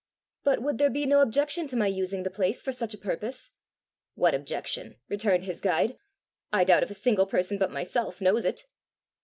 "But would there be no objection to my using the place for such a purpose?" "What objection?" returned his guide. "I doubt if a single person but myself knows it."